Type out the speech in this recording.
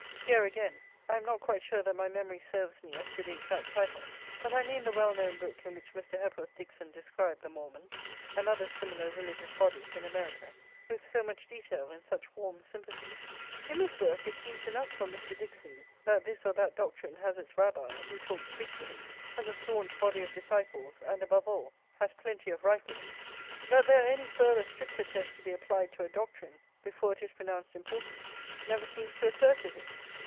Here, again, I am not quite sure that my memory serves me as to the exact title, but I mean the well known book in which Mr. Hepworth Dixon described the Mormons, and other similar religious bodies in America, with so much detail and such warm sympathy. In this work it seems enough for Mr. Dixon that this or that doctrine has its Rabbi, who talks big to him, has a staunch body of disciples, and, above all, has plenty of rifles. That there are any further stricter tests to be applied to a doctrine, before it is pronounced important, never seems to occur to him.